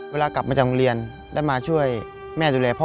เวลากลับมาจากโรงเรียนได้มาช่วยแม่ดูแลพ่อ